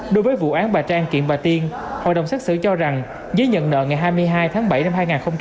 đối với vụ án bà trang kiện bà tiên hội đồng xét xử cho rằng giới nhận nợ ngày hai mươi hai tháng bảy năm hai nghìn một mươi bảy